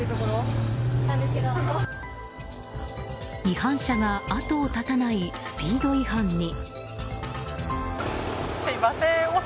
違反者が後を絶たないスピード違反に。